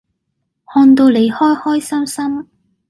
看到你開開心心